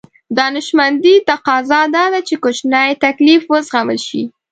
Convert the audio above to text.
دانشمندي تقاضا دا ده چې کوچنی تکليف وزغمل شي.